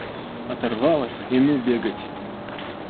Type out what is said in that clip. Оторвалась и ну бегать!